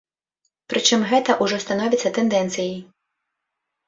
Прычым гэта ўжо становіцца тэндэнцыяй.